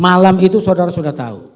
malam itu saudara sudah tahu